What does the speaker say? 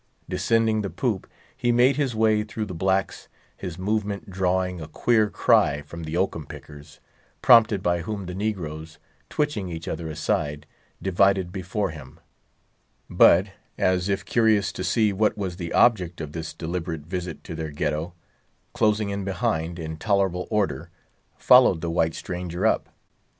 Descending the poop, he made his way through the blacks, his movement drawing a queer cry from the oakum pickers, prompted by whom, the negroes, twitching each other aside, divided before him; but, as if curious to see what was the object of this deliberate visit to their Ghetto, closing in behind, in tolerable order, followed the white stranger up.